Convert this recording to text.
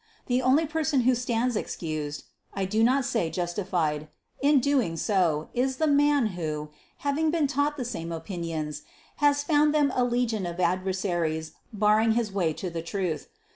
The only person who stands excused I do not say justified in so doing, is the man who, having been taught the same opinions, has found them a legion of adversaries barring his way to the truth.